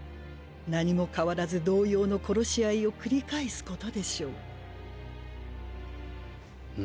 何も変わらず同様の殺し合いを繰り返すことでしょう。